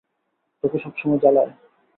তোকে সবসময় জ্বালায়!